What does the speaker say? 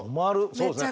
そうですね。